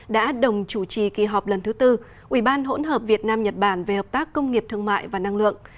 đã đồng chủ trì kỳ họp lần thứ tư ủy ban hỗn hợp việt nam nhật bản về hợp tác công nghiệp thương mại và năng lượng